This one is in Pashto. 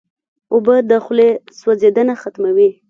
اوبه د خولې سوځېدنه ختموي.